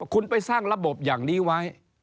คุณไปสร้างระบบอย่างนี้ไว้